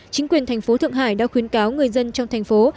chính quyền thành phố thượng hải đã khuyến cáo người dân trong thành phố